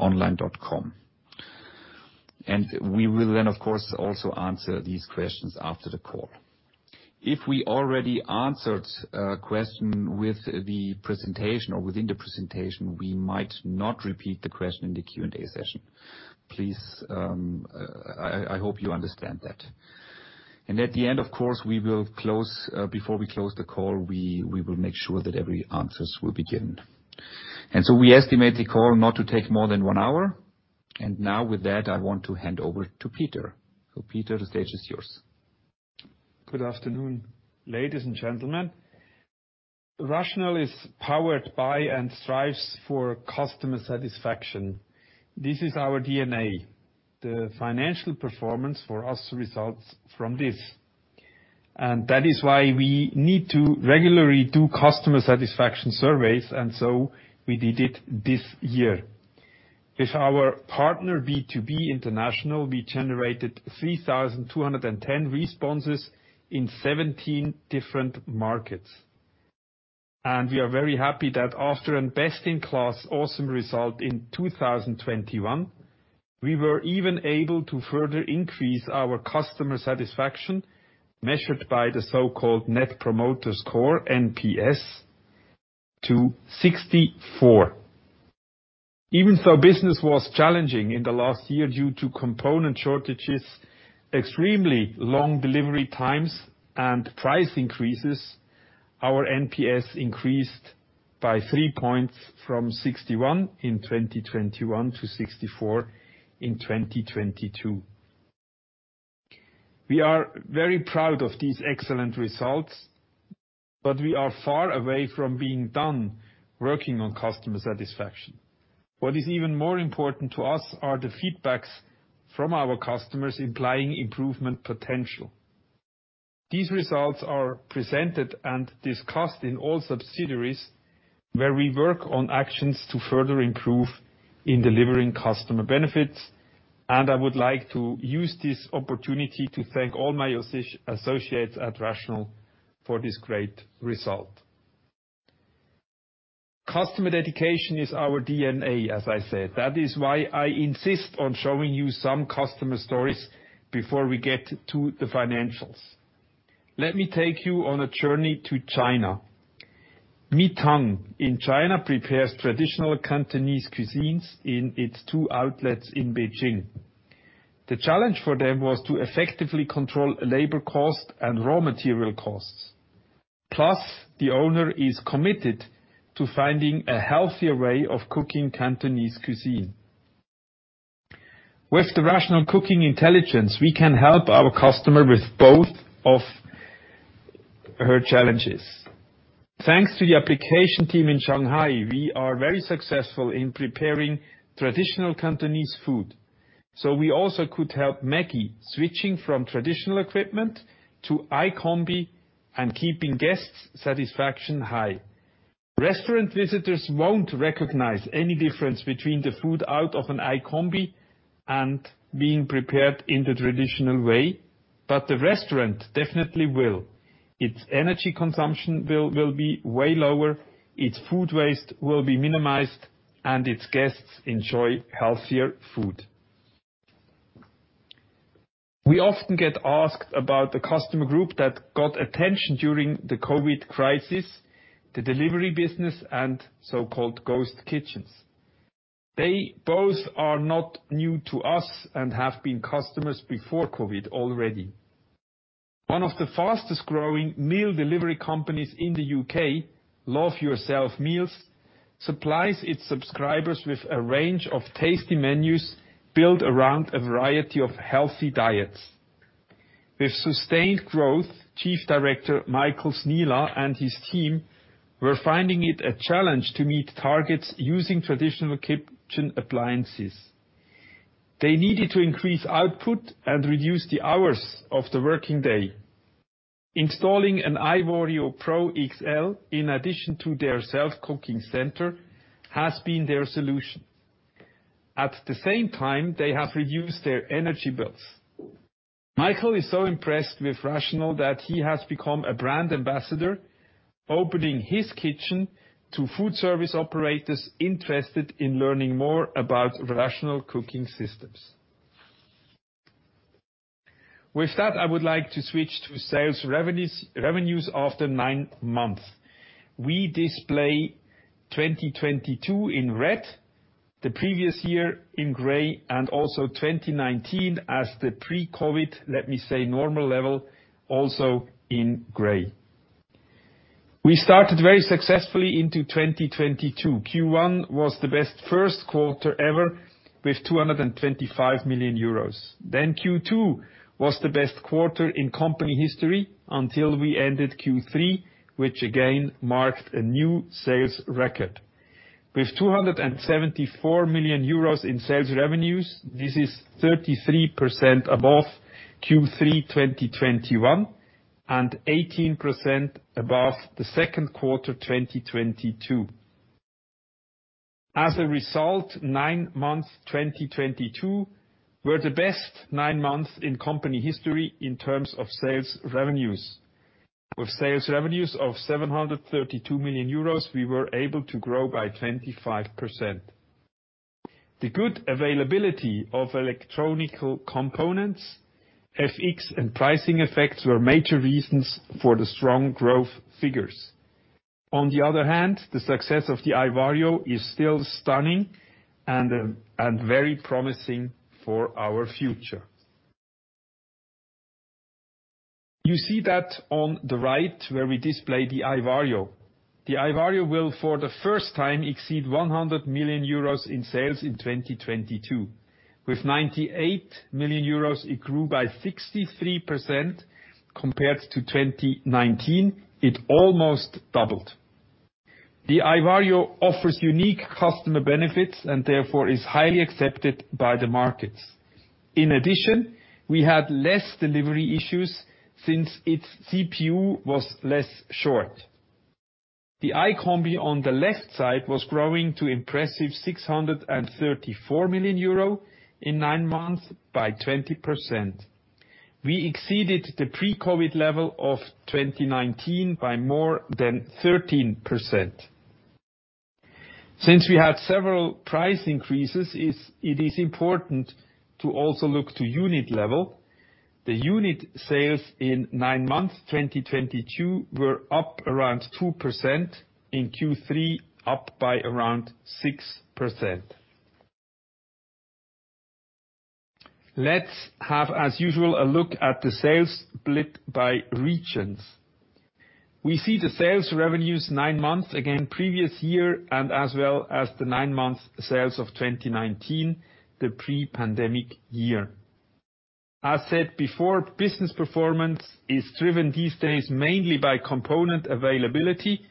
online.com. We will then, of course, also answer these questions after the call. If we already answered a question with the presentation or within the presentation, we might not repeat the question in the Q&A session. Please, I hope you understand that. At the end, of course, we will close before we close the call. We will make sure that every answers will be given. We estimate the call not to take more than one hour. Now with that, I want to hand over to Peter. Peter, the stage is yours. Good afternoon, ladies and gentlemen. RATIONAL is powered by and strives for customer satisfaction. This is our DNA. The financial performance for us results from this. That is why we need to regularly do customer satisfaction surveys, and so we did it this year. With our partner, B2B International, we generated 3,210 responses in 17 different markets. We are very happy that after a best-in-class awesome result in 2021, we were even able to further increase our customer satisfaction, measured by the so-called Net Promoter Score, NPS, to 64. Even so, business was challenging in the last year due to component shortages, extremely long delivery times, and price increases. Our NPS increased by three points from 61 in 2021 to 64 in 2022. We are very proud of these excellent results, but we are far away from being done working on customer satisfaction. What is even more important to us are the feedbacks from our customers implying improvement potential. These results are presented and discussed in all subsidiaries where we work on actions to further improve in delivering customer benefits, and I would like to use this opportunity to thank all my associates at RATIONAL for this great result. Customer dedication is our DNA, as I said. That is why I insist on showing you some customer stories before we get to the financials. Let me take you on a journey to China. Mi Tang in China prepares traditional Cantonese cuisines in its two outlets in Beijing. The challenge for them was to effectively control labor cost and raw material costs. Plus, the owner is committed to finding a healthier way of cooking Cantonese cuisine. With the RATIONAL Cooking Intelligence, we can help our customer with both of her challenges. Thanks to the application team in Shanghai, we are very successful in preparing traditional Cantonese food. We also could help Maggie switching from traditional equipment to iCombi and keeping guests' satisfaction high. Restaurant visitors won't recognize any difference between the food out of an iCombi and being prepared in the traditional way, but the restaurant definitely will. Its energy consumption will be way lower, its food waste will be minimized, and its guests enjoy healthier food. We often get asked about the customer group that got attention during the COVID crisis, the delivery business, and so-called ghost kitchens. They both are not new to us and have been customers before COVID already. One of the fastest-growing meal delivery companies in the U.K., Love Yourself, supplies its subscribers with a range of tasty menus built around a variety of healthy diets. With sustained growth, Chief Director Michal Snela and his team were finding it a challenge to meet targets using traditional kitchen appliances. They needed to increase output and reduce the hours of the working day. Installing an iVario Pro XL in addition to their SelfCookingCenter has been their solution. At the same time, they have reduced their energy bills. Michael is so impressed with RATIONAL that he has become a brand ambassador, opening his kitchen to food service operators interested in learning more about Rational Cooking Systems. With that, I would like to switch to sales revenues after nine months. We display 2022 in red, the previous year in gray, and also 2019 as the pre-COVID, let me say normal level, also in gray. We started very successfully into 2022. Q1 was the best first quarter ever with 225 million euros. Q2 was the best quarter in company history until we ended Q3, which again marked a new sales record. With 274 million euros in sales revenues, this is 33% above Q3 2021 and 18% above the second quarter 2022. As a result, nine months, 2022 were the best nine months in company history in terms of sales revenues. With sales revenues of 732 million euros, we were able to grow by 25%. The good availability of electronic components, FX and pricing effects were major reasons for the strong growth figures. On the other hand, the success of the iVario is still stunning and very promising for our future. You see that on the right, where we display the iVario. The iVario will for the first time exceed 100 million euros in sales in 2022. With 98 million euros, it grew by 63% compared to 2019. It almost doubled. The iVario offers unique customer benefits and therefore is highly accepted by the markets. In addition, we had less delivery issues since its CPU was less short. The iCombi on the left side was growing to impressive 634 million euro in nine months by 20%. We exceeded the pre-COVID level of 2019 by more than 13%. Since we had several price increases, it is important to also look to unit level. The unit sales in nine months, 2022 were up around 2%. In Q3, up by around 6%. Let's have, as usual, a look at the sales split by regions. We see the sales revenues nine months, again, previous year and as well as the nine month sales of 2019, the pre-pandemic year. As said before, business performance is driven these days mainly by component availability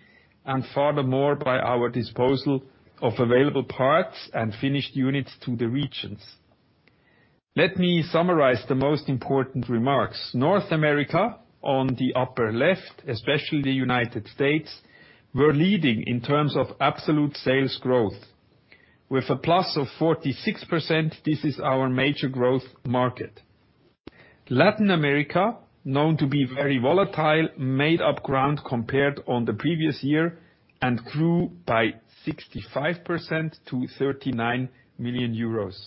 and furthermore by our disposal of available parts and finished units to the regions. Let me summarize the most important remarks. North America, on the upper left, especially the United States, were leading in terms of absolute sales growth. With a plus of 46%, this is our major growth market. Latin America, known to be very volatile, made up ground compared on the previous year and grew by 65% to 39 million euros.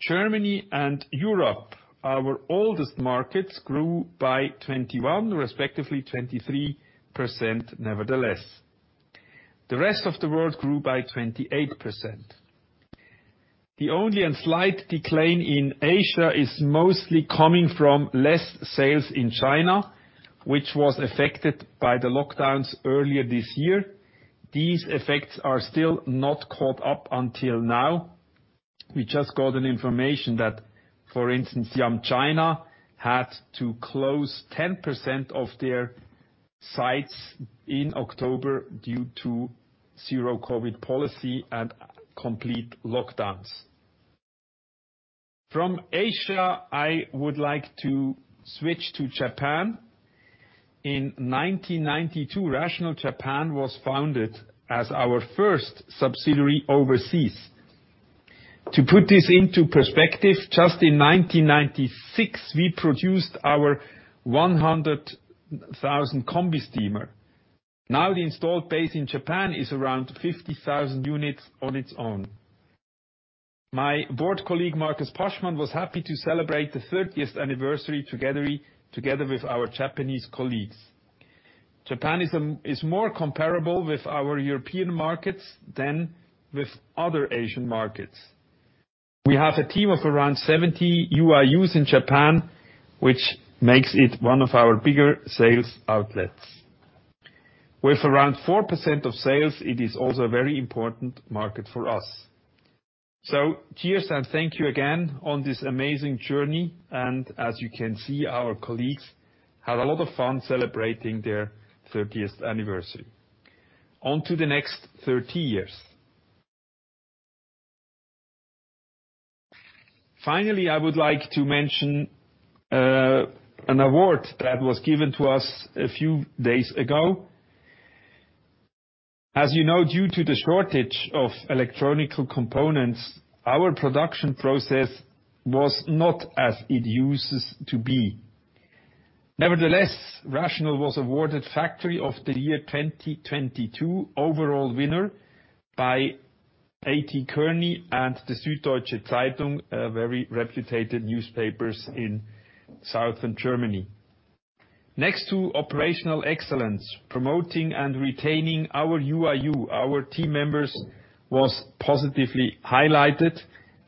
Germany and Europe, our oldest markets, grew by 21%, respectively 23% nevertheless. The rest of the world grew by 28%. The only slight decline in Asia is mostly coming from less sales in China, which was affected by the lockdowns earlier this year. These effects are still not caught up until now. We just got an information that, for instance, Yum China had to close 10% of their sites in October due to Zero COVID policy and complete lockdowns. From Asia, I would like to switch to Japan. In 1992, RATIONAL JAPAN was founded as our first subsidiary overseas. To put this into perspective, just in 1996, we produced our 100,000 Combi steamer. Now the installed base in Japan is around 50,000 units on its own. My board colleague, Markus Paschmann, was happy to celebrate the 30th anniversary together with our Japanese colleagues. Japan is more comparable with our European markets than with other Asian markets. We have a team of around 70 UIUs in Japan, which makes it one of our bigger sales outlets. With around 4% of sales, it is also a very important market for us. Cheers and thank you again on this amazing journey, and as you can see, our colleagues had a lot of fun celebrating their 30th anniversary. On to the next 30 years. Finally, I would like to mention an award that was given to us a few days ago. As you know, due to the shortage of electronic components, our production process was not as it used to be. Nevertheless, RATIONAL was awarded Factory of the Year 2022 overall winner by A.T. Kearney and the Süddeutsche Zeitung, a very reputable newspaper in Southern Germany. Next to operational excellence, promoting and retaining our UIU, our team members, was positively highlighted,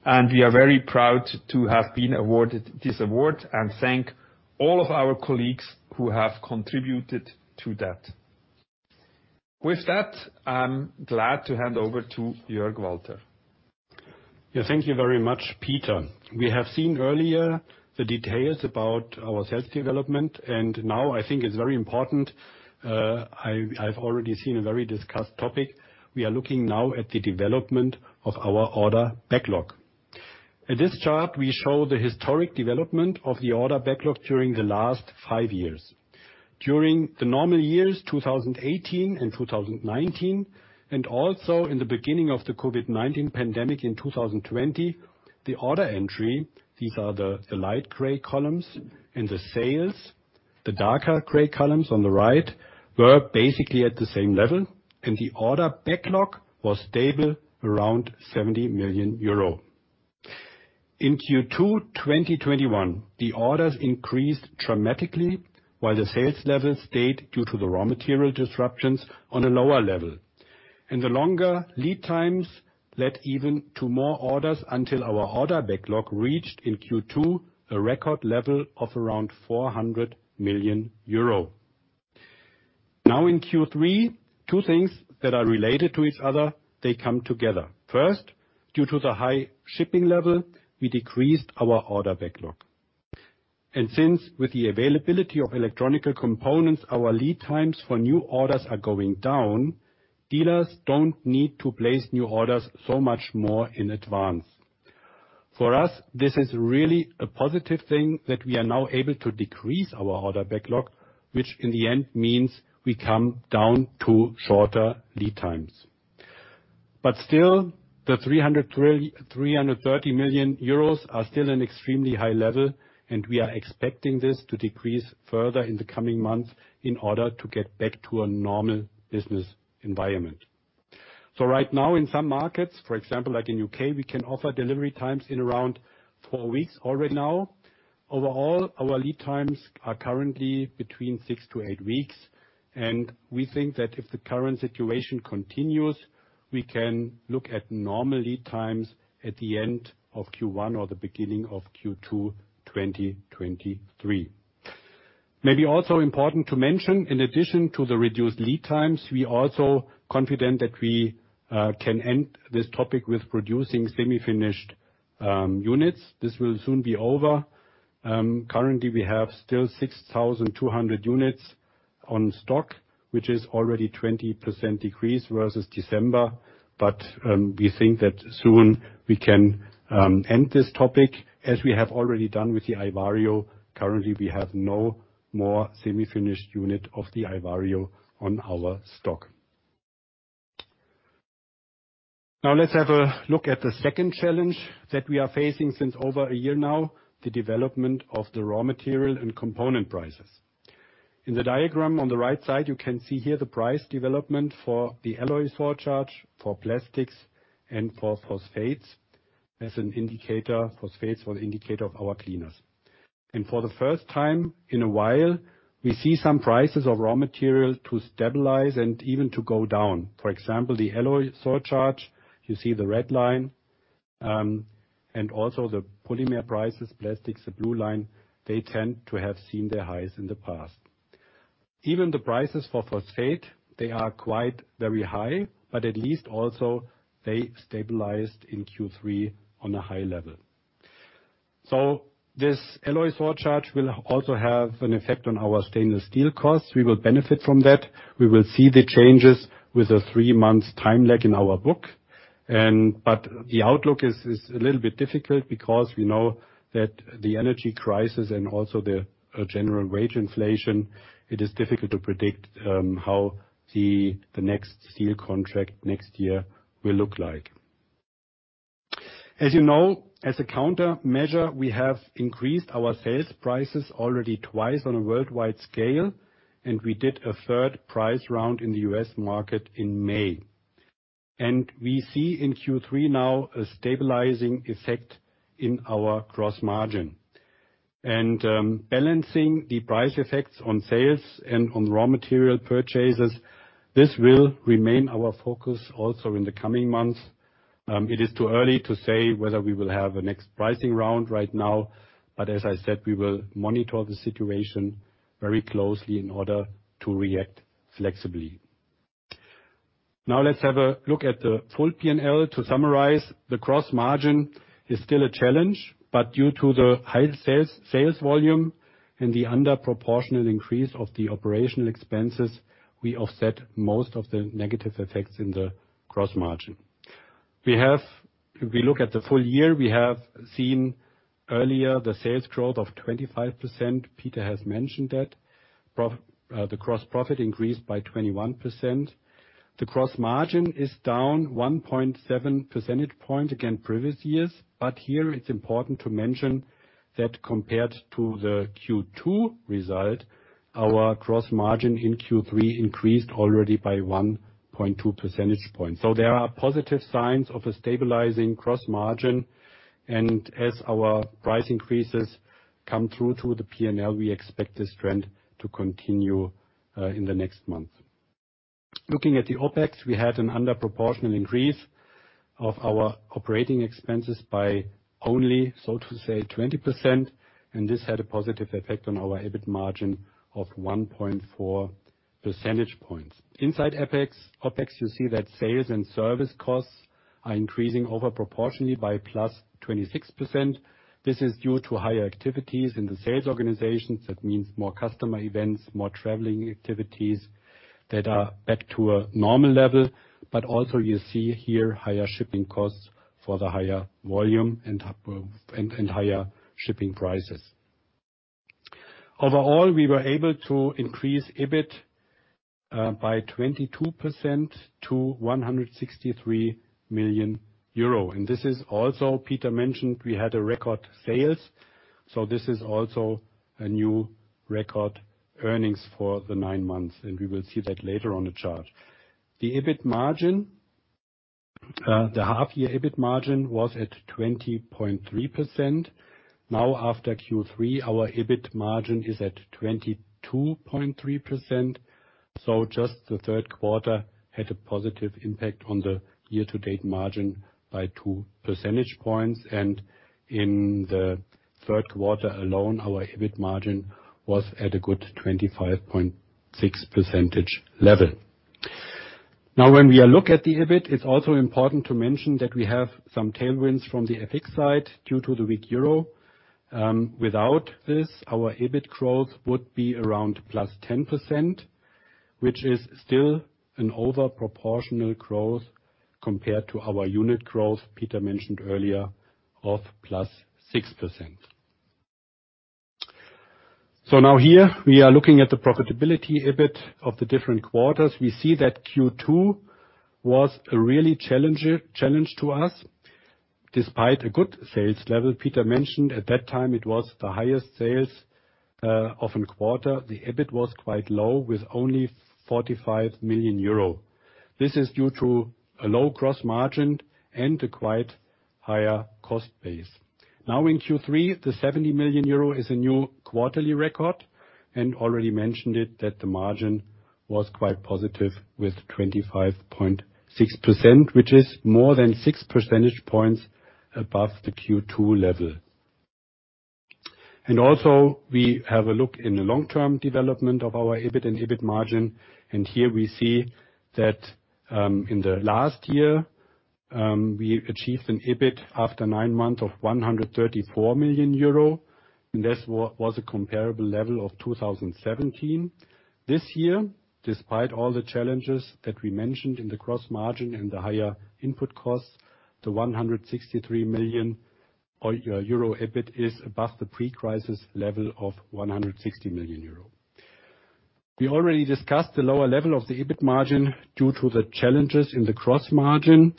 and we are very proud to have been awarded this award and thank all of our colleagues who have contributed to that. With that, I'm glad to hand over to Jörg Walter. Yeah. Thank you very much, Peter. We have seen earlier the details about our sales development, and now I think it's very important. It's a very discussed topic. We are looking now at the development of our order backlog. In this chart, we show the historic development of the order backlog during the last five years. During the normal years, 2018 and 2019, and also in the beginning of the COVID-19 pandemic in 2020, the order entry, these are the light gray columns, and the sales, the darker gray columns on the right were basically at the same level, and the order backlog was stable around 70 million euro. In Q2 2021, the orders increased dramatically while the sales level stayed due to the raw material disruptions on a lower level. The longer lead times led even to more orders until our order backlog reached in Q2, a record level of around 400 million euro. Now in Q3, two things that are related to each other, they come together. First, due to the high shipping level, we decreased our order backlog. Since with the availability of electronic components, our lead times for new orders are going down, dealers don't need to place new orders so much more in advance. For us, this is really a positive thing that we are now able to decrease our order backlog, which in the end means we come down to shorter lead times. Still, the 330 million euros are still an extremely high level, and we are expecting this to decrease further in the coming months in order to get back to a normal business environment. Right now in some markets, for example, like in U.K., we can offer delivery times in around four weeks already now. Overall, our lead times are currently between six to eight weeks, and we think that if the current situation continues, we can look at normal lead times at the end of Q1 or the beginning of Q2, 2023. Maybe also important to mention, in addition to the reduced lead times, we also confident that we can end this topic with producing semi-finished units. This will soon be over. Currently, we have still 6,200 units on stock, which is already 20% decrease versus December. We think that soon we can end this topic as we have already done with the iVario. Currently, we have no more semi-finished unit of the iVario on our stock. Now let's have a look at the second challenge that we are facing since over a year now, the development of the raw material and component prices. In the diagram on the right side, you can see here the price development for the alloy surcharge, for plastics, and for phosphates as an indicator for our cleaners. For the first time in a while, we see some prices of raw material to stabilize and even to go down. For example, the alloy surcharge, you see the red line, and also the polymer prices, plastics, the blue line, they tend to have seen their highs in the past. Even the prices for phosphate, they are quite very high, but at least also they stabilized in Q3 on a high level. This alloy surcharge will also have an effect on our stainless steel costs. We will benefit from that. We will see the changes with a three-month time lag in our book. The outlook is a little bit difficult because we know that the energy crisis and also the general wage inflation. It is difficult to predict how the next steel contract next year will look like. As you know, as a countermeasure, we have increased our sales prices already twice on a worldwide scale, and we did a third price round in the U.S. market in May. We see in Q3 now a stabilizing effect in our gross margin. Balancing the price effects on sales and on raw material purchases, this will remain our focus also in the coming months. It is too early to say whether we will have a next pricing round right now, but as I said, we will monitor the situation very closely in order to react flexibly. Now let's have a look at the full P&L. To summarize, the gross margin is still a challenge, but due to the high sales volume and the under proportional increase of the operational expenses, we offset most of the negative effects in the gross margin. If we look at the full year, we have seen earlier the sales growth of 25%. Peter has mentioned that. The gross profit increased by 21%. The gross margin is down 1.7 percentage point against previous years. Here it's important to mention that compared to the Q2 result, our gross margin in Q3 increased already by 1.2 percentage point. There are positive signs of a stabilizing gross margin. As our price increases come through to the P&L, we expect this trend to continue in the next month. Looking at the OpEx, we had an under proportional increase of our operating expenses by only, so to say, 20%, and this had a positive effect on our EBIT margin of 1.4 percentage points. Inside fixed OpEx, you see that sales and service costs are increasing over proportionally by +26%. This is due to higher activities in the sales organizations. That means more customer events, more traveling activities that are back to a normal level. But also you see here higher shipping costs for the higher volume and higher shipping prices. Overall, we were able to increase EBIT by 22% to 163 million euro. This is also, Peter mentioned we had a record sales, so this is also a new record earnings for the nine months, and we will see that later on the chart. The EBIT margin, the half year EBIT margin was at 20.3%. Now after Q3, our EBIT margin is at 22.3%. Just the third quarter had a positive impact on the year-to-date margin by 2 percentage points, and in the third quarter alone, our EBIT margin was at a good 25.6% level. Now when we look at the EBIT, it's also important to mention that we have some tailwinds from the FX side due to the weak euro. Without this, our EBIT growth would be around +10%, which is still a disproportional growth compared to our unit growth Peter mentioned earlier of +6%. Now here we are looking at the profitability EBIT of the different quarters. We see that Q2 was a really challenge to us despite a good sales level. Peter mentioned at that time it was the highest sales of a quarter. The EBIT was quite low, with only 45 million euro. This is due to a low gross margin and a quite high cost base. Now in Q3, the 70 million euro is a new quarterly record and already mentioned it that the margin was quite positive with 25.6%, which is more than 6 percentage points above the Q2 level. Also we have a look in the long-term development of our EBIT and EBIT margin, and here we see that, in the last year, we achieved an EBIT after nine months of 134 million euro, and this was a comparable level of 2017. This year, despite all the challenges that we mentioned in the gross margin and the higher input costs, the 163 million euro EBIT is above the pre-crisis level of 160 million euro. We already discussed the lower level of the EBIT margin due to the challenges in the gross margin.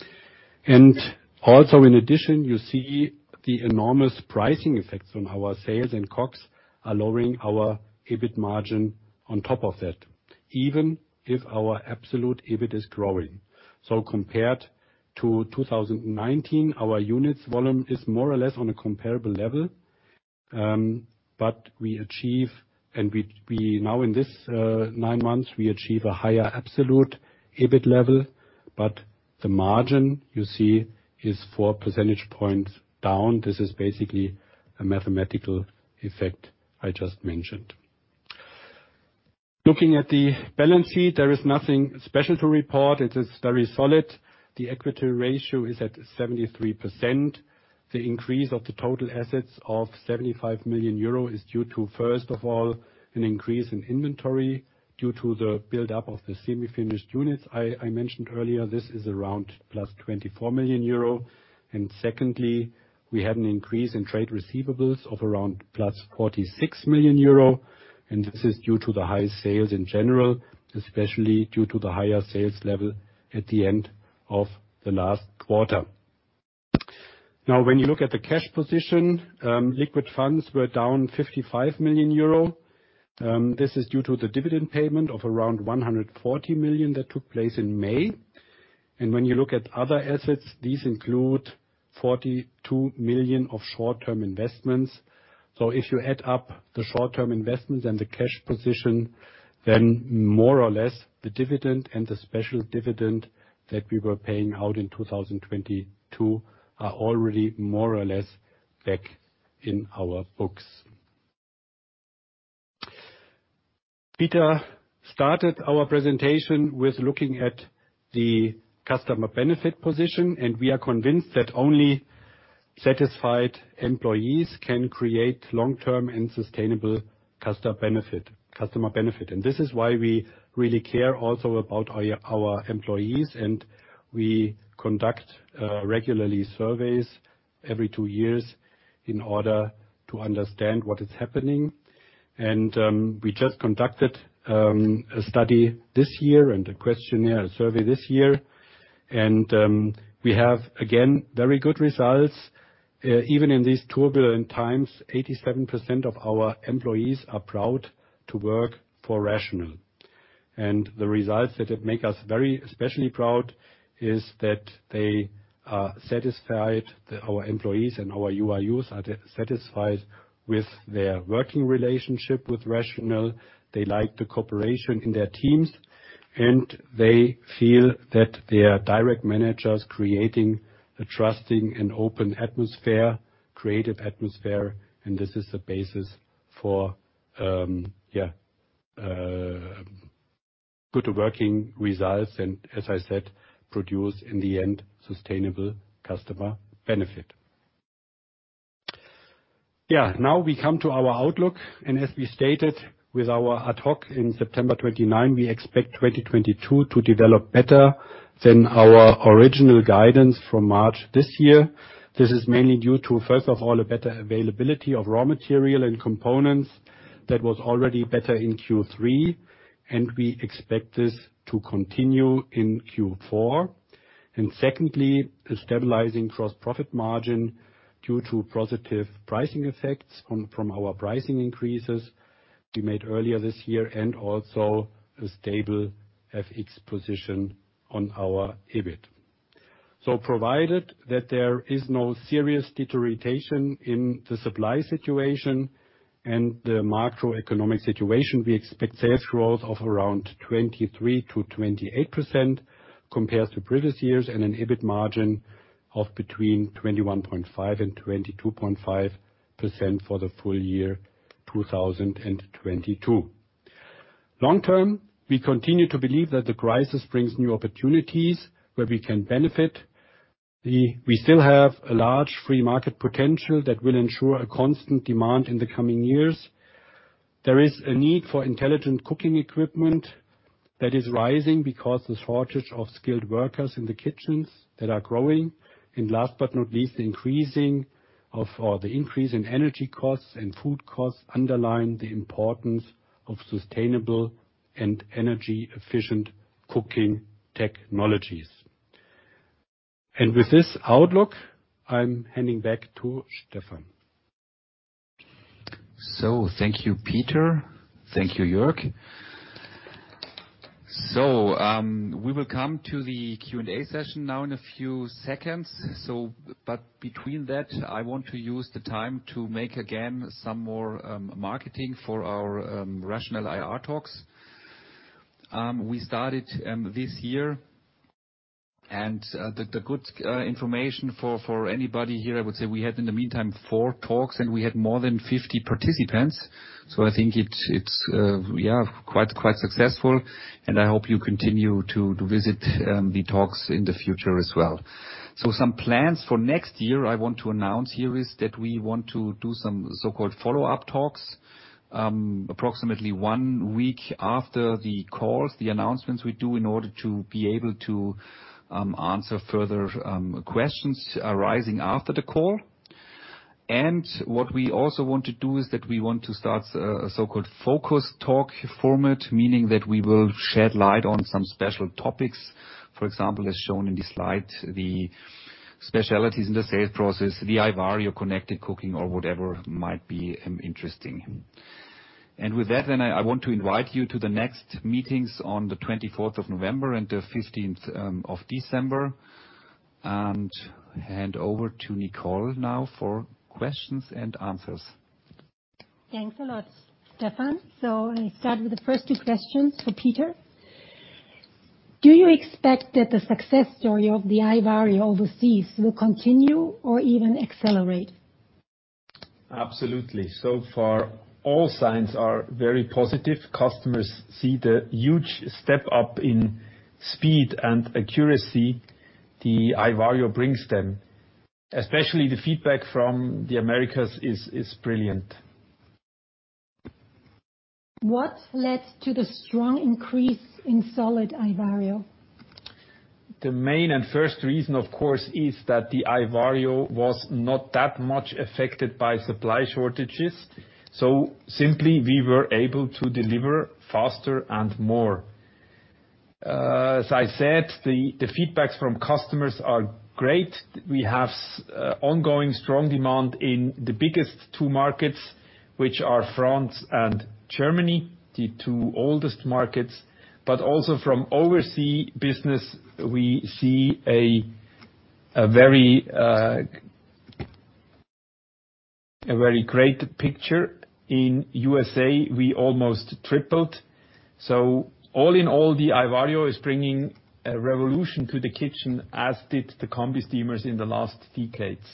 Also in addition, you see the enormous pricing effects on our sales and COGS are lowering our EBIT margin on top of that, even if our absolute EBIT is growing. Compared to 2019, our units volume is more or less on a comparable level, but we now in this nine months achieve a higher absolute EBIT level, but the margin you see is 4 percentage points down. This is basically a mathematical effect I just mentioned. Looking at the balance sheet, there is nothing special to report. It is very solid. The equity ratio is at 73%. The increase of the total assets of 75 million euro is due to, first of all, an increase in inventory due to the build-up of the semi-finished units I mentioned earlier. This is around +24 million euro. Secondly, we had an increase in trade receivables of around +46 million euro, and this is due to the high sales in general, especially due to the higher sales level at the end of the last quarter. Now, when you look at the cash position, liquid funds were down 55 million euro. This is due to the dividend payment of around 140 million that took place in May. When you look at other assets, these include 42 million of short-term investments. If you add up the short-term investments and the cash position, then more or less the dividend and the special dividend that we were paying out in 2022 are already more or less back in our books. Peter started our presentation with looking at the customer benefit position, and we are convinced that only satisfied employees can create long-term and sustainable customer benefit. This is why we really care also about our employees, and we conduct regularly surveys every two years in order to understand what is happening. We just conducted a study this year and a questionnaire survey this year. We have, again, very good results. Even in these turbulent times, 87% of our employees are proud to work for RATIONAL. The results that it make us very especially proud is that they are satisfied that our employees and our UIUs are satisfied with their working relationship with RATIONAL. They like the cooperation in their teams, and they feel that their direct managers creating a trusting and open atmosphere, creative atmosphere. This is the basis for good working results and as I said, produce in the end, sustainable customer benefit. Now we come to our outlook, and as we stated with our ad hoc in September 29, we expect 2022 to develop better than our original guidance from March this year. This is mainly due to, first of all, a better availability of raw material and components that was already better in Q3, and we expect this to continue in Q4. Secondly, a stabilizing gross profit margin due to positive pricing effects from our pricing increases we made earlier this year, and also a stable FX position on our EBIT. Provided that there is no serious deterioration in the supply situation and the macroeconomic situation, we expect sales growth of around 23%-28% compared to previous years, and an EBIT margin of between 21.5%-22.5% for the full year 2022. Long term, we continue to believe that the crisis brings new opportunities where we can benefit. We still have a large free market potential that will ensure a constant demand in the coming years. There is a need for intelligent cooking equipment that is rising because the shortage of skilled workers in the kitchens that are growing. Last but not least, the increase in energy costs and food costs underline the importance of sustainable and energy efficient cooking technologies. With this outlook, I'm handing back to Stefan. Thank you, Peter. Thank you, Jörg. We will come to the Q&A session now in a few seconds. Between that, I want to use the time to make again some more marketing for our RATIONAL IR Talks. We started this year and the good information for anybody here. I would say we had in the meantime four talks and we had more than 50 participants. I think it's we are quite successful, and I hope you continue to visit the talks in the future as well. Some plans for next year I want to announce here is that we want to do some so-called follow-up talks, approximately one week after the calls, the announcements we do in order to be able to answer further questions arising after the call. What we also want to do is that we want to start a so-called focus talk format, meaning that we will shed light on some special topics. For example, as shown in the slide, the specialties in the sales process, the iVario ConnectedCooking or whatever might be interesting. With that then, I want to invite you to the next meetings on the 24th of November and the 15th of December, and hand over to Nicole now for questions and answers. Thanks a lot, Stefan. I start with the first two questions for Peter. Do you expect that the success story of the iVario overseas will continue or even accelerate? Absolutely. So far, all signs are very positive. Customers see the huge step up in speed and accuracy the iVario brings them. Especially the feedback from the Americas is brilliant. What led to the strong increase in solid iVario? The main and first reason, of course, is that the iVario was not that much affected by supply shortages, so simply we were able to deliver faster and more. As I said, the feedbacks from customers are great. We have ongoing strong demand in the biggest two markets, which are France and Germany, the two oldest markets. But also from overseas business, we see a very great picture. In USA, we almost tripled. All in all, the iVario is bringing a revolution to the kitchen, as did the combi steamers in the last decades.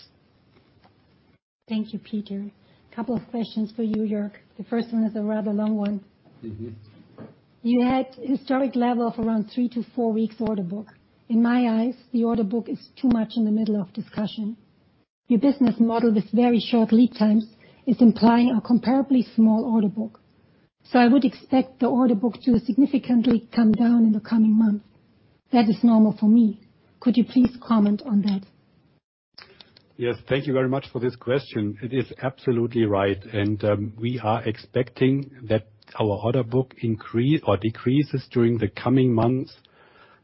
Thank you, Peter. Couple of questions for you, Jörg. The first one is a rather long one. Mm-hmm. You had historic level of around three to four weeks order book. In my eyes, the order book is too much in the middle of discussion. Your business model with very short lead times is implying a comparably small order book. I would expect the order book to significantly come down in the coming months. That is normal for me. Could you please comment on that? Yes. Thank you very much for this question. It is absolutely right, and we are expecting that our order book increase or decreases during the coming months,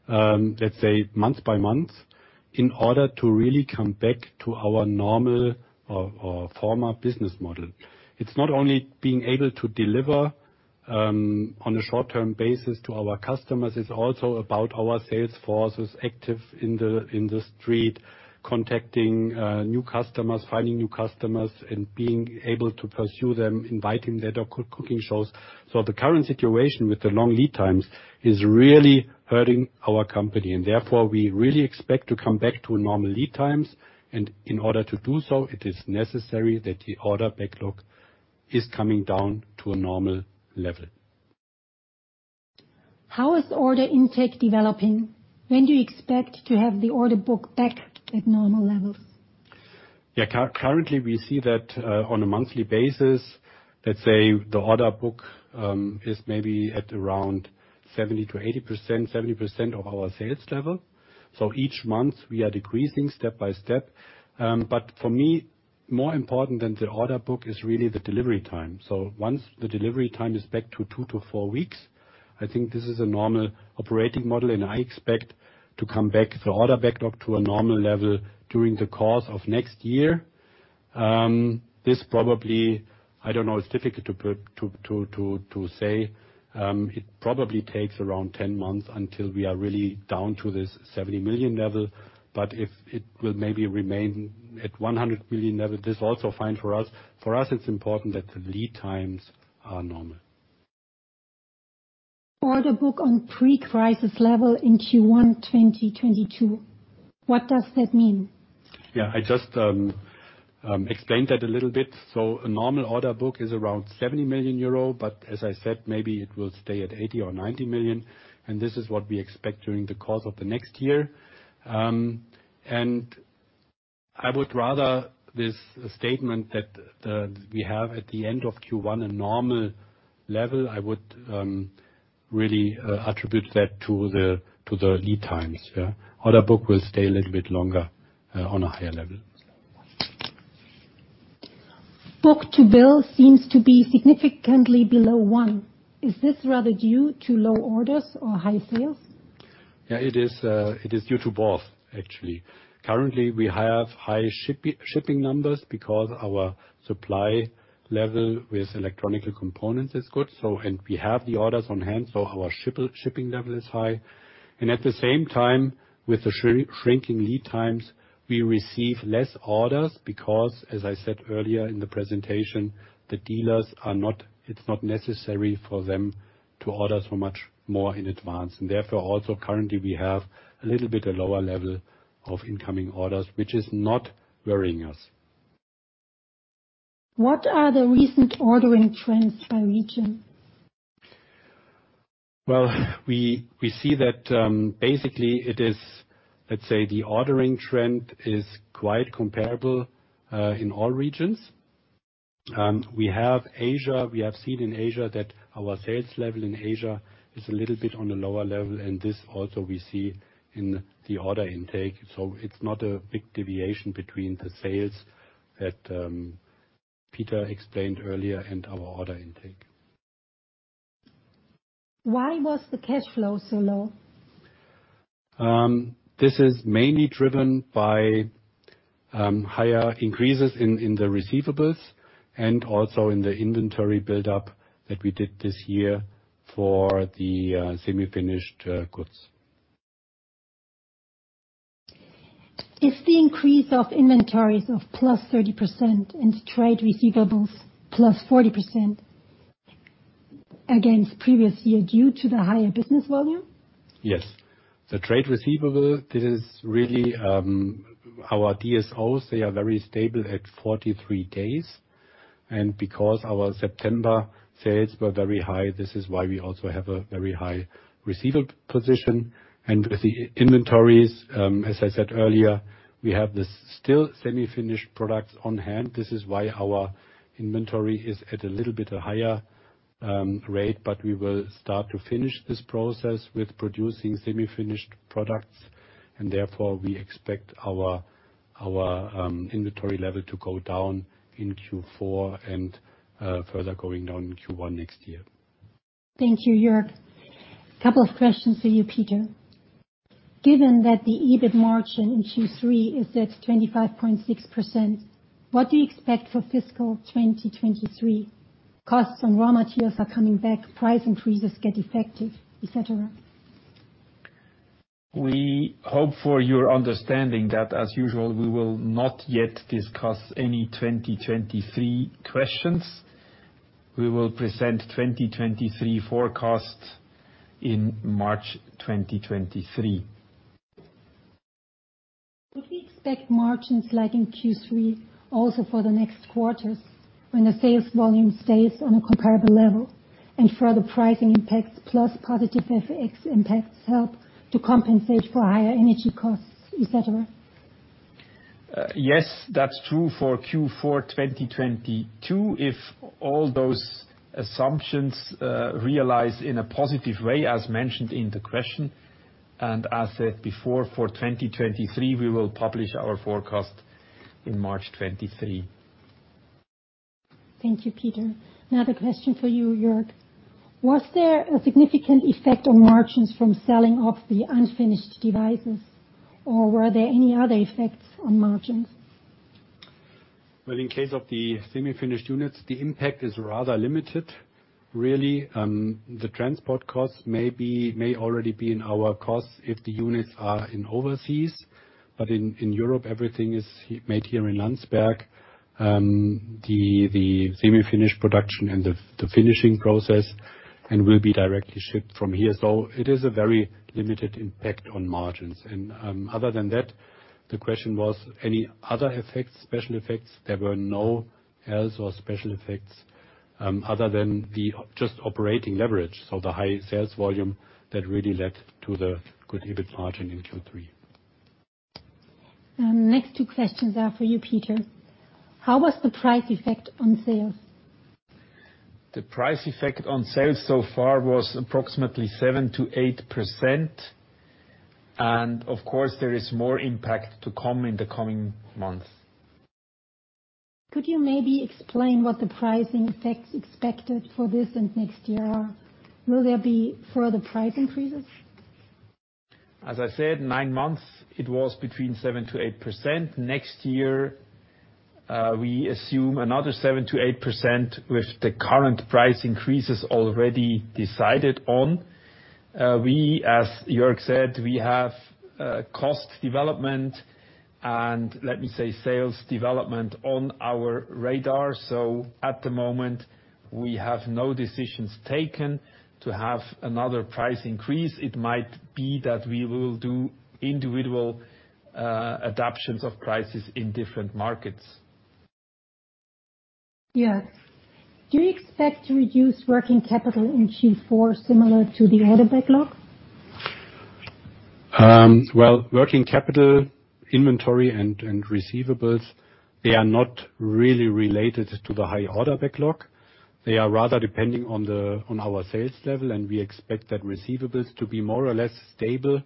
let's say month by month, in order to really come back to our normal or former business model. It's not only being able to deliver on a short-term basis to our customers, it's also about our sales forces active in the street, contacting new customers, finding new customers, and being able to pursue them, inviting them to cooking shows. The current situation with the long lead times is really hurting our company, and therefore we really expect to come back to normal lead times. In order to do so, it is necessary that the order backlog is coming down to a normal level. How is order intake developing? When do you expect to have the order book back at normal levels? Yeah. Currently we see that, on a monthly basis, let's say the order book is maybe at around 70%-80%, 70% of our sales level. Each month we are decreasing step by step. For me, more important than the order book is really the delivery time. Once the delivery time is back to two to four weeks, I think this is a normal operating model and I expect the order backlog to come back to a normal level during the course of next year. This probably, I don't know, it's difficult to say. It probably takes around 10 months until we are really down to this 70 million level. If it will maybe remain at 100 million level, this is also fine for us. For us, it's important that the lead times are normal. Order book on pre-crisis level in Q1 2022. What does that mean? Yeah. I just explained that a little bit. A normal order book is around 70 million euro. As I said, maybe it will stay at 80 or 90 million, and this is what we expect during the course of the next year. I would rather this statement that we have at the end of Q1 a normal level. I would really attribute that to the lead times. Yeah. Order book will stay a little bit longer on a higher level. Book-to-bill seems to be significantly below one. Is this rather due to low orders or high sales? Yeah. It is due to both actually. Currently, we have high shipping numbers because our supply level with electronic components is good. We have the orders on hand, so our shipping level is high. At the same time, with the shrinking lead times, we receive less orders because, as I said earlier in the presentation, it's not necessary for them to order so much more in advance. Therefore, also currently we have a little bit of lower level of incoming orders, which is not worrying us. What are the recent ordering trends by region? Well, we see that basically it is, let's say, the ordering trend is quite comparable in all regions. We have Asia. We have seen in Asia that our sales level in Asia is a little bit on a lower level, and this also we see in the order intake. It's not a big deviation between the sales that Peter explained earlier and our order intake. Why was the cash flow so low? This is mainly driven by higher increases in the receivables and also in the inventory buildup that we did this year for the semi-finished goods. Is the increase of inventories of +30% and trade receivables +40% against previous year due to the higher business volume? Yes. The trade receivable, this is really our DSOs, they are very stable at 43 days. Because our September sales were very high, this is why we also have a very high receivable position. With the inventories, as I said earlier, we have this still semi-finished products on hand. This is why our inventory is at a little bit higher rate, but we will start to finish this process with producing semi-finished products, and therefore we expect our inventory level to go down in Q4 and further going down in Q1 next year. Thank you, Jörg. Couple of questions for you, Peter. Given that the EBIT margin in Q3 is at 25.6%, what do you expect for fiscal 2023? Costs on raw materials are coming back, price increases get effective, et cetera. We hope for your understanding that as usual, we will not yet discuss any 2023 questions. We will present 2023 forecasts in March 2023. Could we expect margins like in Q3 also for the next quarters when the sales volume stays on a comparable level and further pricing impacts plus positive FX impacts help to compensate for higher energy costs, et cetera? Yes, that's true for Q4 2022, if all those assumptions realize in a positive way as mentioned in the question. As said before, for 2023, we will publish our forecast in March 2023. Thank you, Peter. Another question for you, Jörg. Was there a significant effect on margins from selling off the unfinished devices? Or were there any other effects on margins? Well, in case of the semi-finished units, the impact is rather limited. Really, the transport costs may already be in our costs if the units are overseas. In Europe, everything is made here in Landsberg. The semi-finished production and the finishing process will be directly shipped from here. It is a very limited impact on margins. Other than that, the question was any other effects, special effects. There were no other special effects other than just the operating leverage. The high sales volume that really led to the good EBIT margin in Q3. Next two questions are for you, Peter. How was the price effect on sales? The price effect on sales so far was approximately 7%-8% and of course there is more impact to come in the coming months. Could you maybe explain what the pricing effects expected for this and next year are? Will there be further price increases? As I said, nine months it was between 7%-8%. Next year, we assume another 7%-8% with the current price increases already decided on. We, as Jörg said, we have cost development and let me say sales development on our radar. At the moment we have no decisions taken to have another price increase. It might be that we will do individual adaptations of prices in different markets. Jörg, do you expect to reduce working capital in Q4 similar to the order backlog? Working capital inventory and receivables, they are not really related to the high order backlog. They are rather depending on our sales level, and we expect that receivables to be more or less stable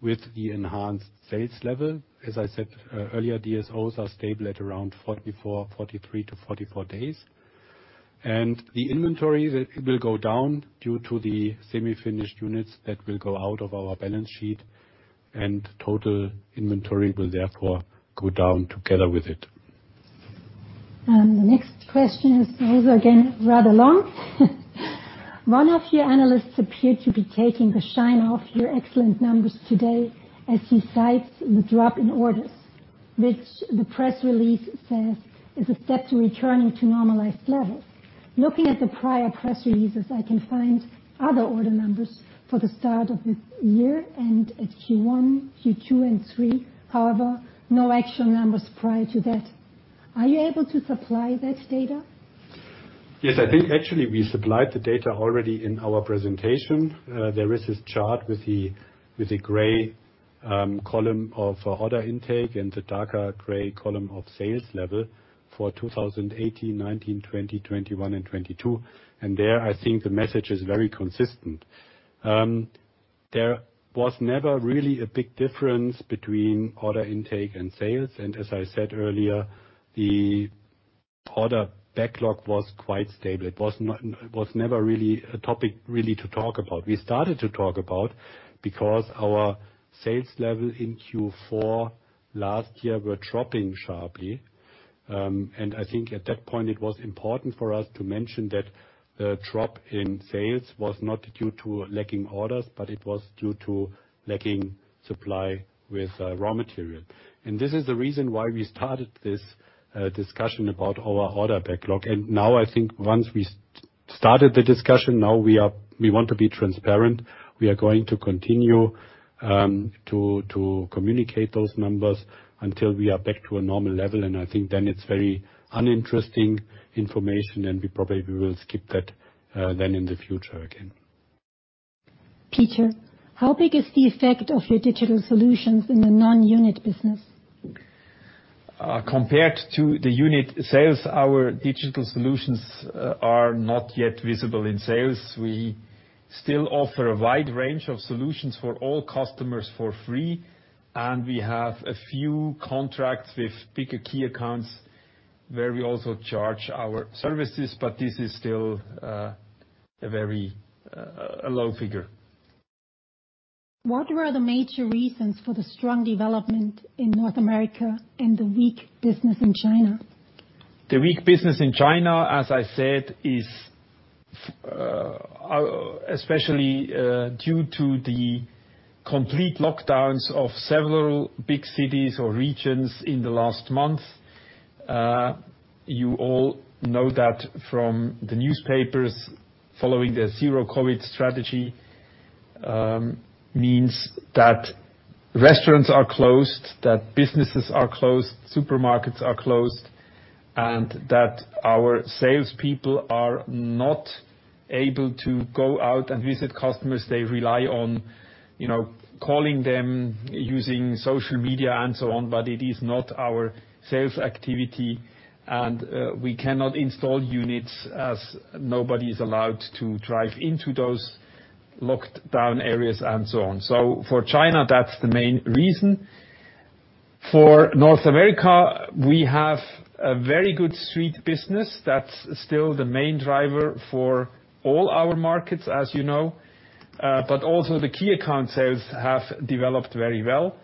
with the enhanced sales level. As I said earlier, DSOs are stable at around 44, 43-44 days. The inventory that it will go down due to the semi-finished units that will go out of our balance sheet and total inventory will therefore go down together with it. The next question is also again, rather long. One of your analysts appear to be taking the shine off your excellent numbers today as he cites the drop in orders, which the press release says is a step to returning to normalized levels. Looking at the prior press releases, I can find other order numbers for the start of the year and at Q1, Q2 and Q3, however, no actual numbers prior to that. Are you able to supply that data? Yes, I think actually we supplied the data already in our presentation. There is this chart with the gray column of order intake and the darker gray column of sales level for 2018, 2019, 2020, 2021, and 2022. There, I think the message is very consistent. There was never really a big difference between order intake and sales, and as I said earlier, the order backlog was quite stable. It was never really a topic to talk about. We started to talk about because our sales level in Q4 last year were dropping sharply, and I think at that point it was important for us to mention that the drop in sales was not due to lacking orders, but it was due to lacking supply with raw material. This is the reason why we started this discussion about our order backlog. Now I think once we started the discussion, now we want to be transparent. We are going to continue to communicate those numbers until we are back to a normal level. I think then it's very uninteresting information, and we probably will skip that then in the future again. Peter, how big is the effect of your digital solutions in the non-unit business? Compared to the unit sales, our digital solutions are not yet visible in sales. We still offer a wide range of solutions for all customers for free, and we have a few contracts with bigger key accounts where we also charge our services, but this is still a very low figure. What were the major reasons for the strong development in North America and the weak business in China? The weak business in China, as I said, is especially due to the complete lockdowns of several big cities or regions in the last month. You all know that from the newspapers. Following the Zero COVID strategy means that restaurants are closed, that businesses are closed, supermarkets are closed, and that our sales people are not able to go out and visit customers. They rely on, you know, calling them, using social media and so on, but it is not our sales activity and we cannot install units as nobody is allowed to drive into those locked down areas and so on. For China, that's the main reason. For North America, we have a very good street business that's still the main driver for all our markets, as you know. Also the key account sales have developed very well.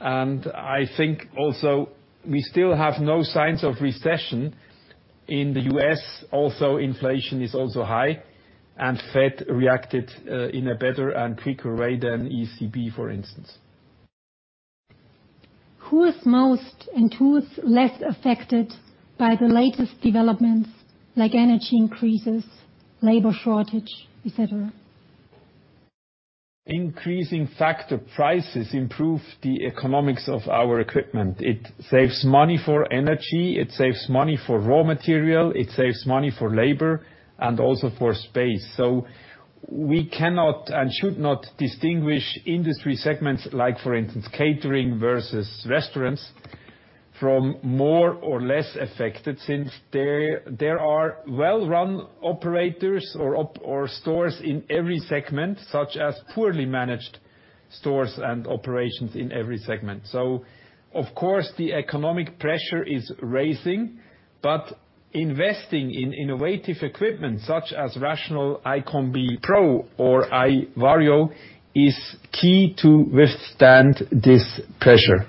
I think also we still have no signs of recession in the U.S. Also, inflation is also high, and Fed reacted in a better and quicker way than ECB, for instance. Who is most and who is less affected by the latest developments like energy increases, labor shortage, et cetera? Increasing factor prices improve the economics of our equipment. It saves money for energy, it saves money for raw material, it saves money for labor and also for space. We cannot and should not distinguish industry segments like, for instance, catering versus restaurants, from more or less affected, since there are well-run operators or stores in every segment, such as poorly managed stores and operations in every segment. Of course, the economic pressure is rising, but investing in innovative equipment such as RATIONAL iCombi Pro or iVario is key to withstand this pressure.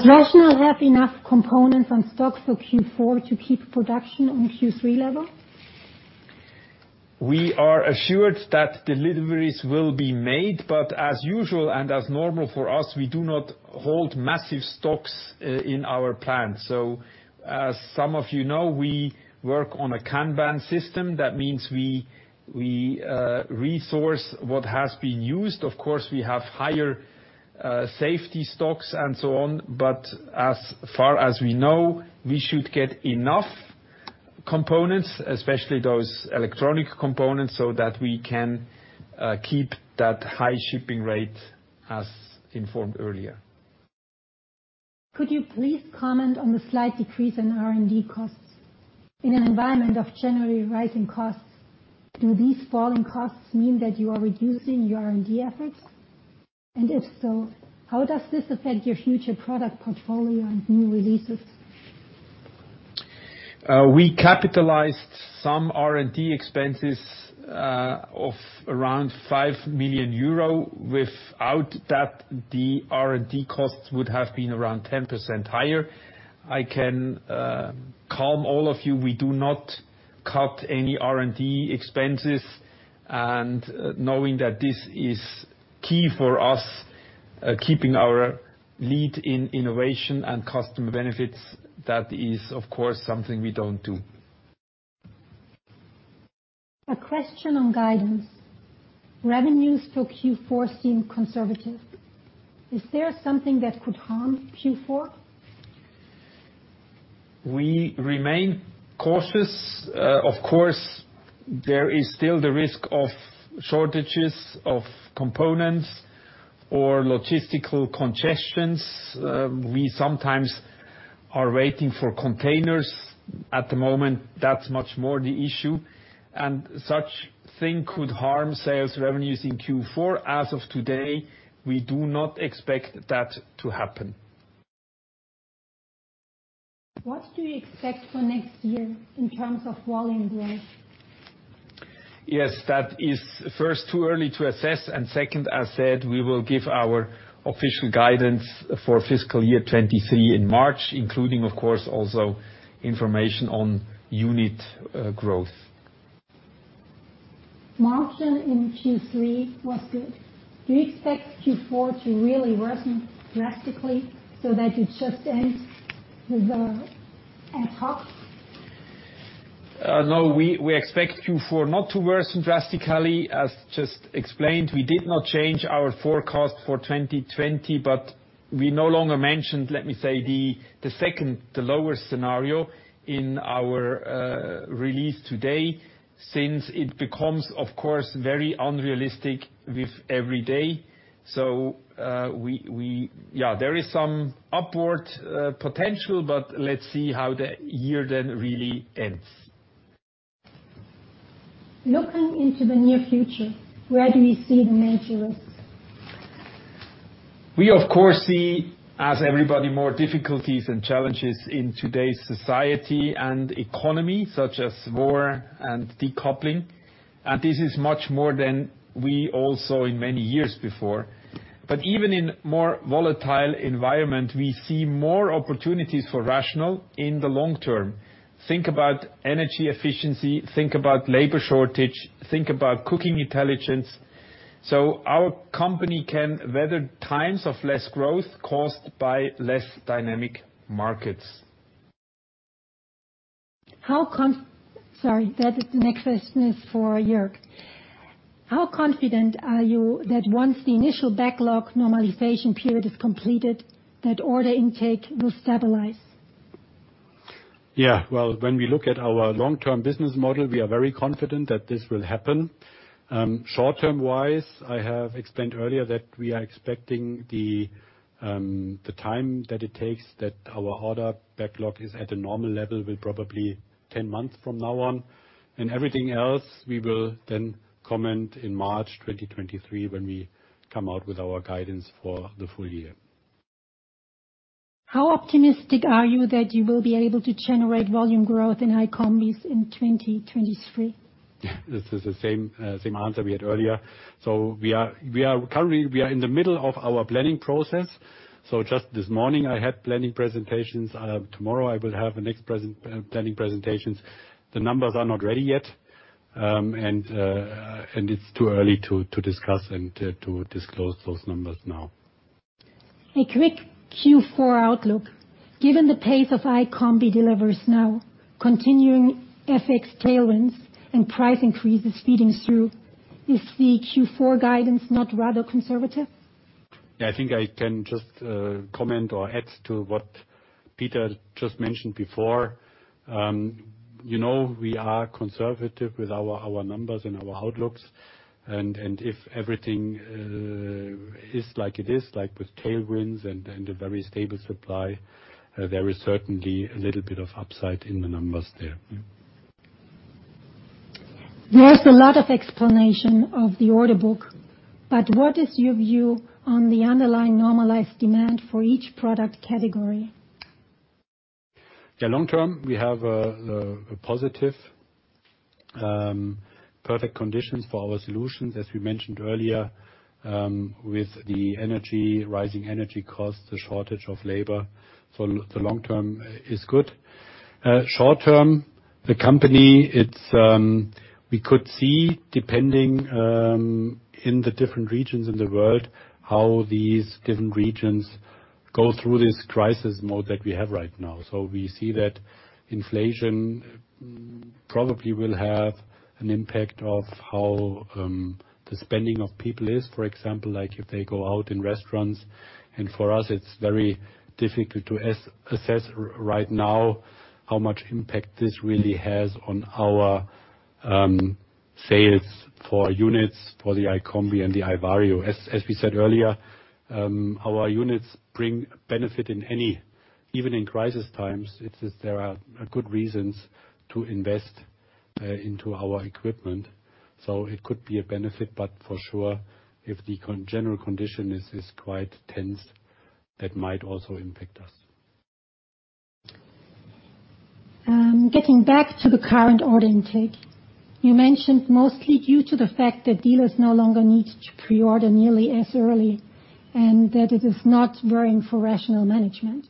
Does RATIONAL have enough components and stocks for Q4 to keep production on Q3 level? We are assured that deliveries will be made, but as usual and as normal for us, we do not hold massive stocks in our plan. As some of you know, we work on a Kanban system. That means we resource what has been used. Of course, we have higher safety stocks and so on, but as far as we know, we should get enough components, especially those electronic components, so that we can keep that high shipping rate as informed earlier. Could you please comment on the slight decrease in R&D costs? In an environment of generally rising costs, do these falling costs mean that you are reducing your R&D efforts? If so, how does this affect your future product portfolio and new releases? We capitalized some R&D expenses of around 5 million euro. Without that, the R&D costs would have been around 10% higher. I can assure all of you, we do not cut any R&D expenses. Knowing that this is key for us, keeping our lead in innovation and customer benefits, that is, of course, something we don't do. A question on guidance. Revenues for Q4 seem conservative. Is there something that could harm Q4? We remain cautious. Of course, there is still the risk of shortages of components or logistical congestions. We sometimes are waiting for containers. At the moment, that's much more the issue. Such thing could harm sales revenues in Q4. As of today, we do not expect that to happen. What do you expect for next year in terms of volume growth? Yes, that is first, too early to assess. Second, as said, we will give our official guidance for fiscal year 2023 in March, including, of course, also information on unit growth. Margin in Q3 was good. Do you expect Q4 to really worsen drastically so that it just ends with the ad hoc? No, we expect Q4 not to worsen drastically. As just explained, we did not change our forecast for 2020, but we no longer mentioned, let me say, the second lower scenario in our release today, since it becomes, of course, very unrealistic with every day. There is some upward potential, but let's see how the year then really ends. Looking into the near future, where do you see the main risks? We, of course, see, as everybody, more difficulties and challenges in today's society and economy, such as war and decoupling. This is much more than we all saw in many years before. Even in more volatile environment, we see more opportunities for RATIONAL in the long term. Think about energy efficiency, think about labor shortage, think about cooking intelligence. Our company can weather times of less growth caused by less dynamic markets. Sorry, that is the next question for Jörg. How confident are you that once the initial backlog normalization period is completed, that order intake will stabilize? Yeah. Well, when we look at our long-term business model, we are very confident that this will happen. Short-term wise, I have explained earlier that we are expecting the time that it takes that our order backlog is at a normal level, will probably 10 months from now on. Everything else, we will then comment in March 2023, when we come out with our guidance for the full year. How optimistic are you that you will be able to generate volume growth in iCombi in 2023? This is the same answer we had earlier. We are currently in the middle of our planning process. Just this morning, I had planning presentations. Tomorrow, I will have the next planning presentations. The numbers are not ready yet. It's too early to discuss and disclose those numbers now. A quick Q4 outlook. Given the pace of iCombi deliveries now, continuing FX tailwinds and price increases feeding through, is the Q4 guidance not rather conservative? Yeah, I think I can just comment or add to what Peter just mentioned before. You know, we are conservative with our numbers and our outlooks. If everything is like it is, like with tailwinds and a very stable supply, there is certainly a little bit of upside in the numbers there. There's a lot of explanation of the order book, but what is your view on the underlying normalized demand for each product category? Yeah. Long term, we have a positive, perfect conditions for our solutions, as we mentioned earlier, with the rising energy costs, the shortage of labor. The long term is good. Short term, the company, we could see, depending, in the different regions in the world, how these different regions go through this crisis mode that we have right now. We see that inflation probably will have an impact of how, the spending of people is, for example, like if they go out in restaurants. For us, it's very difficult to assess right now how much impact this really has on our, sales for units, for the iCombi and the iVario. As we said earlier, our units bring benefit in any even in crisis times, there are good reasons to invest into our equipment. It could be a benefit, but for sure, if the general condition is quite tense, that might also impact us. Getting back to the current order intake, you mentioned mostly due to the fact that dealers no longer need to pre-order nearly as early, and that it is not worrying for RATIONAL management.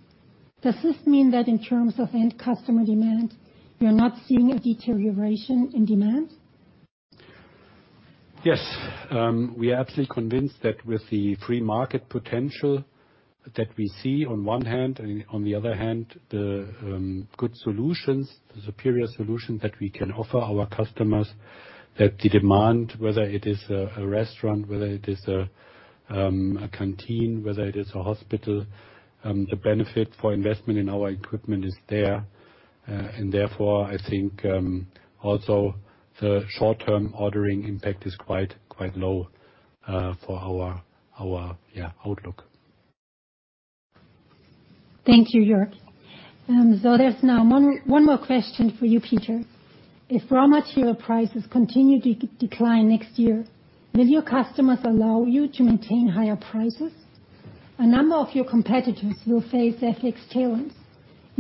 Does this mean that in terms of end customer demand, you're not seeing a deterioration in demand? Yes. We are absolutely convinced that with the free market potential that we see on one hand, and on the other hand, the good solutions, the superior solutions that we can offer our customers, that the demand, whether it is a restaurant, whether it is a canteen, whether it is a hospital, the benefit for investment in our equipment is there. Therefore, I think, also the short-term ordering impact is quite low for our outlook. Thank you, Jörg. There's now one more question for you, Peter. If raw material prices continue to decline next year, will your customers allow you to maintain higher prices? A number of your competitors will face FX tailwinds.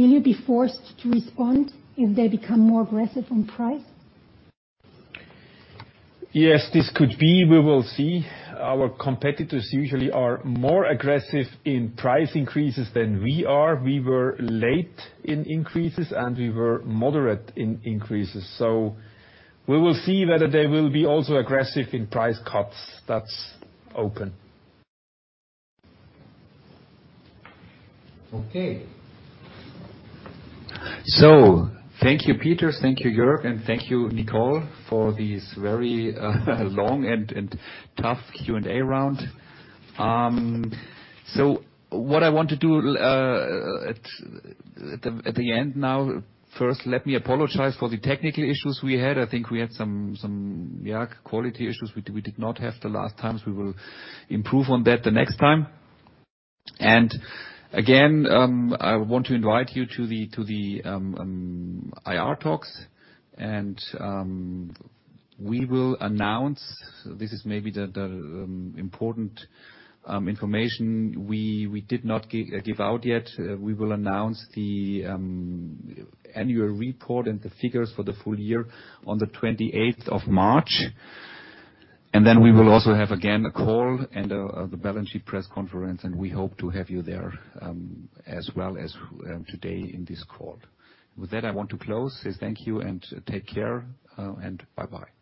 Will you be forced to respond if they become more aggressive on price? Yes, this could be. We will see. Our competitors usually are more aggressive in price increases than we are. We were late in increases and we were moderate in increases. We will see whether they will be also aggressive in price cuts. That's open. Okay. Thank you, Peter. Thank you, Jörg. Thank you, Nicole, for this very long and tough Q&A round. What I want to do at the end now, first, let me apologize for the technical issues we had. I think we had some quality issues we did not have the last times. We will improve on that the next time. Again, I want to invite you to the IR Talks. We will announce. This is maybe the important information we did not give out yet. We will announce the annual report and the figures for the full year on the twenty-eighth of March. We will also have, again, a call and the balance sheet press conference, and we hope to have you there, as well as today in this call. With that, I want to close, say thank you and take care, and bye-bye.